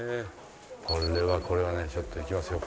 これはこれはねちょっと行きますよ。